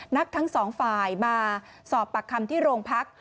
ทั้งสองฝ่ายมาสอบปากคำที่โรงพัก